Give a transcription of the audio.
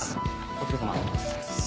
「お疲れさまです」